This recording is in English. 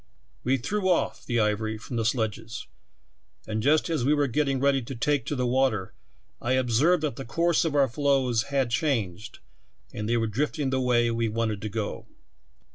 "We threw off the ivory from the sledges, and just as we were getting read}" to take to the water I observed that the course of our floes had changed and the}" were drifting the way we wanted to go.